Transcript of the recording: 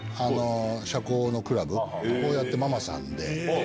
社交のクラブをやってママさんで。